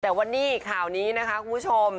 แต่วันนี้ข่าวนี้นะคะคุณผู้ชม